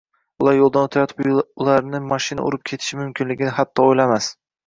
Ular yoʻldan oʻtayotib, ularni mashina urib ketishi mumkinligini hatto oʻylamas